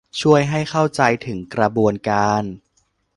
ช่วยให้เข้าใจถึงกระบวนการ